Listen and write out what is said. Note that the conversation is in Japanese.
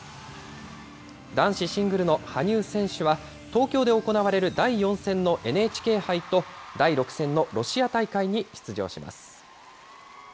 男子シングルの羽生選手は、東京で行われる第４戦のＮＨＫ杯と、第６戦のロシア大会に出場します。